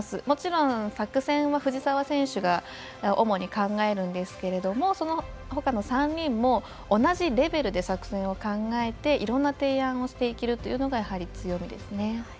もちろん、作戦は藤澤選手が主に考えるんですけどそのほかの３人も同じレベルで作戦を考えていろんな提案をしていけるというのが強みですね。